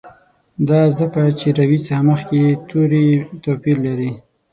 دا ځکه چې روي څخه مخکي یې توري توپیر لري.